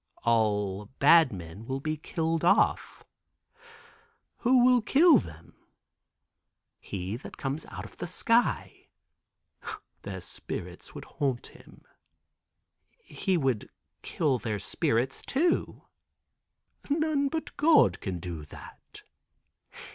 "All bad men will be killed off." "Who will kill them off?" "He that comes out of the sky." "Their spirits would haunt him." "He would kill their spirits, too." "None but God can do that."